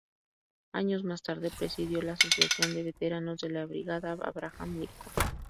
Años más tarde presidió la asociación de veteranos de la brigada Abraham Lincoln.